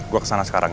gue kesana sekarang